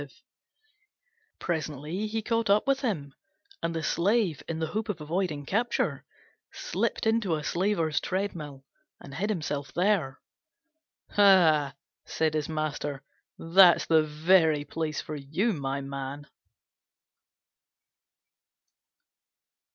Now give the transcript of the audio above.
He presently came up with him, and the Slave, in the hope of avoiding capture, slipped into a treadmill and hid himself there. "Aha," said his master, "that's the very place for you, my man!"